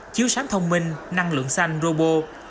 chiếu sám thông minh năng lượng xanh robot